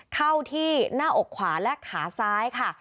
เข้าที่หน้าอกขวาและขาซ้ายค่ะ